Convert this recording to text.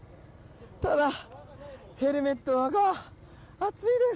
ただ、ヘルメットの中は暑いです。